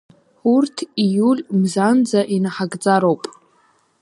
Урҭ иуль мзанӡа инаҳагӡароуп.